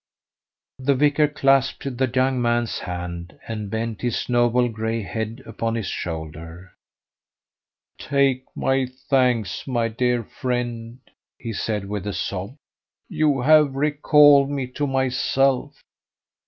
The vicar clasped the young man's hand, and bent his noble gray head upon his shoulder. "Take my thanks, my dear friend," he said with a sob. "You have recalled me to myself.